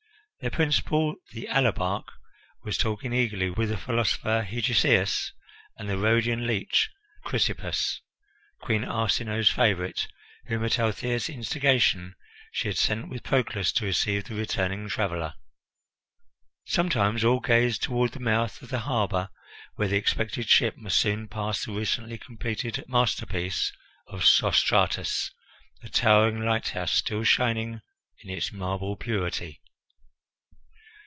Their principal, the alabarch, was talking eagerly with the philosopher Hegesias and the Rhodian leech Chrysippus; Queen Arsinoe's favourite, whom at Althea's instigation she had sent with Proclus to receive the returning traveller. Sometimes all gazed toward the mouth of the harbour, where the expected ship must soon pass the recently completed masterpiece of Sostratus, the towering lighthouse, still shining in its marble purity.